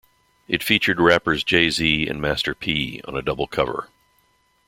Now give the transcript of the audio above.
It featured rappers Jay-Z and Master P on a double cover.